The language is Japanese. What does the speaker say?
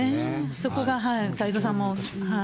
そこが太蔵さんも。